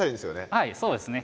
はいそうですね。